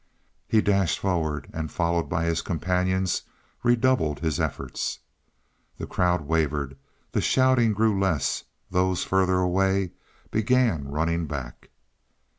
He dashed forward, and, followed by his companions, redoubled his efforts. The crowd wavered; the shouting grew less; those further away began running back.